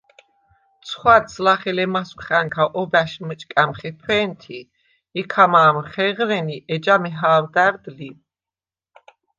ცხვადს ლახე ლემასგვხა̈ნქა ობა̈შ მჷჭკა̈მ ხეფვე̄ნთი ი ქა მა̄მ ხეღრენი, ეჯა მეჰა̄ვდა̈რდ ლი.